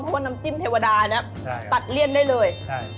เพราะว่าน้ำจิ้มเทวดานะตัดเลี่ยนได้เลย